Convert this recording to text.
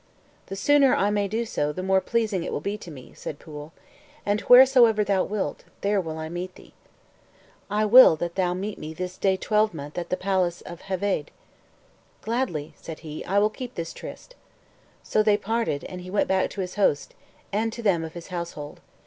"The sooner I may do so, the more pleasing will it be to me," said Pwyll; "and wheresoever thou wilt, there will I meet with thee." "I will that thou meet me this day twelvemonth at the palace of Heveydd." "Gladly," said he, "will I keep this tryst." So they parted, and he went back to his hosts, and to them of his household.